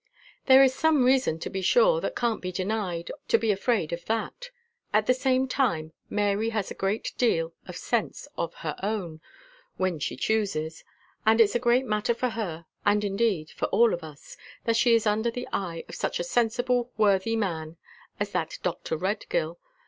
"There is some reason, to be sure, that can't be denied, to be afraid of that; at the same time, Mary has a great deal of sense of her own when she chooses; and it's a great matter for her, and indeed for all of us, that she is under the eye of such a sensible worthy man as that Dr. Redgill.